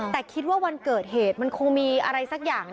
แต่คิดว่าวันเกิดเหตุมันคงมีอะไรสักอย่าง